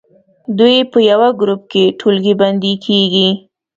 دوی په یوه ګروپ کې ټولګی بندي کیږي.